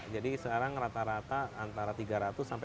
jadi sekarang rata rata antara tiga ratus sampai lima ratus